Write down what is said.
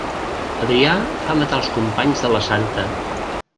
Adrià fa matar els companys de la santa.